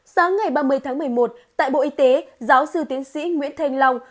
sáng ngày ba mươi tháng một mươi một tại bộ y tế giáo sư tiến sĩ nguyễn thanh long